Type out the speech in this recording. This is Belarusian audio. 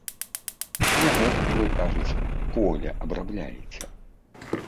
Не гэтак вы, кажуць, поле абрабляеце.